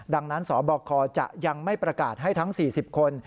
ดังนั้นสบคจะยังไม่ประกาศให้ทั้ง๔๐คน